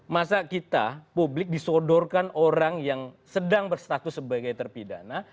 masa kita publik disodorkan orang yang sedang berstatus sebagai terpidana